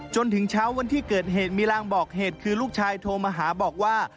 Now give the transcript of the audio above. จนถึงเช้าวันที่เกิดเหตุมีรางบอกเหตุคือลูกชายโทรมาหาบอกว่า